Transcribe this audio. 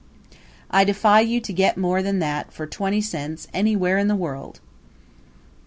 I defy you to get more than that for twenty cents anywhere in the world!